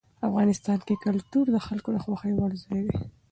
افغانستان کې کلتور د خلکو د خوښې وړ ځای دی.